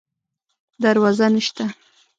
دروازه نشته